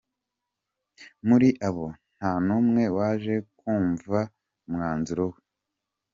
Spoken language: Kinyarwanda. Muri abo, nta n’umwe waje kumva umwanzuro we.